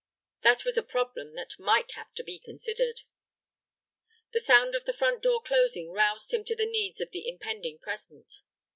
That was a problem that might have to be considered. The sound of the front door closing roused him to the needs of the impending present.